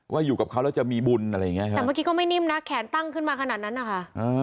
อยู่กับเขาแล้วจะมีบุญอะไรอย่างเงี้ยแต่เมื่อกี้ก็ไม่นิ่มนะแขนตั้งขึ้นมาขนาดนั้นนะคะ